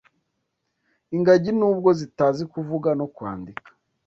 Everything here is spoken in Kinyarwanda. Ingagi n’ubwo zitazi kuvuga no kwandika